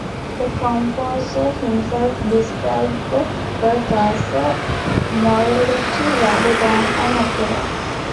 The composer himself described the work as a 'Morality' rather than an opera.